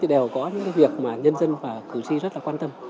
đều có những việc mà nhân dân và cử tri rất là quan tâm